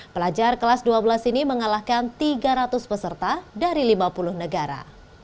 pelajar kelas dua belas ini mengalahkan tiga ratus peserta dari lima puluh negara